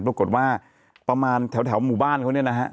ประมาณแถวหมู่บ้านเขาเนี่ยนะฮะ